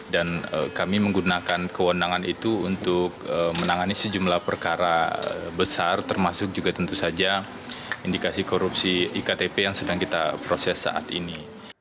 dan kami menggunakan keundangan itu untuk menangani sejumlah perkara besar termasuk juga tentu saja indikasi korupsi iktp yang sedang kita proses saat ini